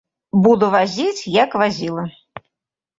Буду вазіць як вазіла.